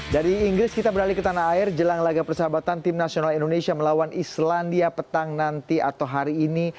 dari inggris kita beralih ke tanah air jelang laga persahabatan tim nasional indonesia melawan islandia petang nanti atau hari ini